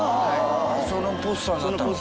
そのポスターになったの？